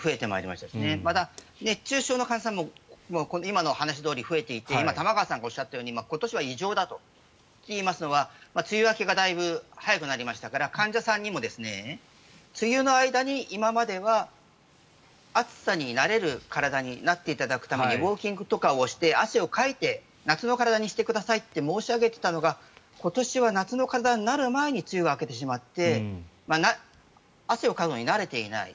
また、熱中症の患者さんも今の話どおり増えていて今、玉川さんがおっしゃったように今年は異常だと。といいますのは梅雨明けがだいぶ早くなりましたから患者さんにも梅雨の間に今までは暑さに慣れる体になっていただくためにウォーキングとかをして汗をかいて夏の体にしてくださいって申し上げていたのが今年は夏の体になる前に梅雨が明けてしまって汗をかくのに慣れていない。